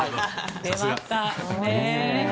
出ました。